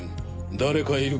誰かいる。